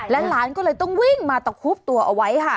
หลานก็เลยต้องวิ่งมาตะคุบตัวเอาไว้ค่ะ